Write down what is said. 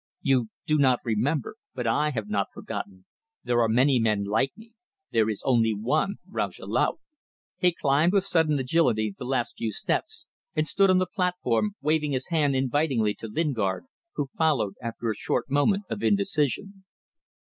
"You do not remember but I have not forgotten. There are many men like me: there is only one Rajah Laut." He climbed with sudden agility the last few steps, and stood on the platform waving his hand invitingly to Lingard, who followed after a short moment of indecision.